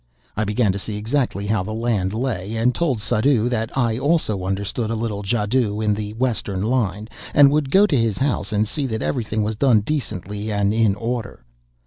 I began to see exactly how the land lay, and told Suddhoo that I also understood a little jadoo in the Western line, and would go to his house to see that everything was done decently and in order.